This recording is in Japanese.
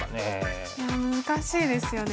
いや難しいですよね。